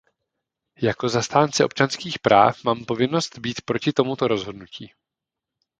Jako zastánce občanských práv mám povinnost být proti tomuto rozhodnutí.